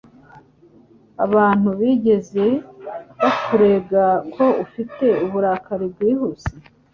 Abantu bigeze bakurega ko ufite uburakari bwihuse?